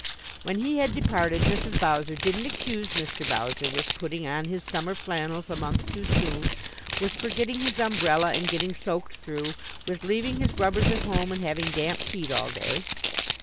When he had departed, Mrs. Bowser didn't accuse Mr. Bowser with putting on his summer flannels a month too soon; with forgetting his umbrella and getting soaked through; with leaving his rubbers at home and having damp feet all day.